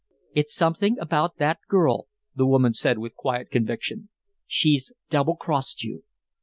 "It's something about that girl," the woman said, with quiet conviction. "She's double crossed you."